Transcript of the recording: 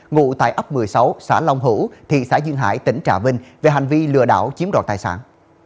ngụ tại ấp một mươi sáu xã long hữu thị xã duyên hải tỉnh trà vinh về hành vi lừa đảo chiếm đoạt tài sản